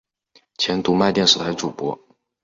前读卖电视台主播。